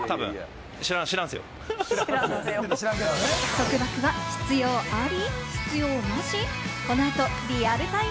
束縛は必要あり？